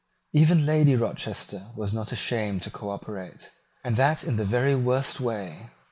Even Lady Rochester was not ashamed to cooperate, and that in the very worst way.